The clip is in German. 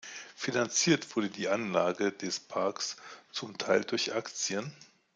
Finanziert wurde die Anlage des Parks zum Teil durch Aktien.